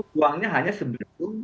ruangnya hanya sebelum